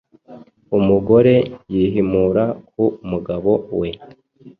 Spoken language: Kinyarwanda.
umugore yihimura ku mugabo we